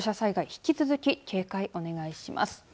引き続き警戒お願いします。